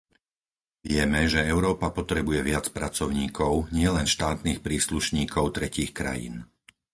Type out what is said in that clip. Vieme, že Európa potrebuje viac pracovníkov, nielen štátnych príslušníkov tretích krajín.